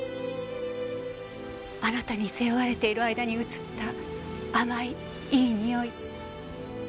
あなたに背負われている間に移った甘いいいにおい。